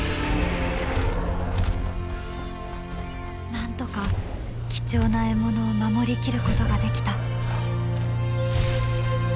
なんとか貴重な獲物を守りきることができた。